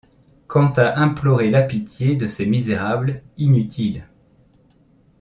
Quant à implorer la pitié de ces misérables, inutile!...